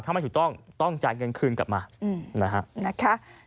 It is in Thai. ถ้าไม่ถูกต้องต้องจากเงินคืนกลับมา